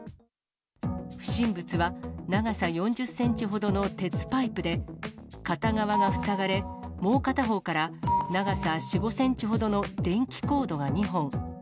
不審物は、長さ４０センチほどの鉄パイプで、片側が塞がれ、もう片方から長さ４、５センチほどの電気コードが２本。